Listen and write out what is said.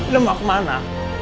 lo mau kemana